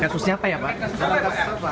kasusnya apa ya pak